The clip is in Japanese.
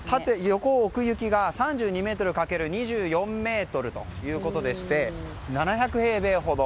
３２ｍかける２４ｍということで７００平米ほど。